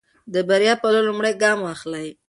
د بریا په لور لومړی ګام واخلئ.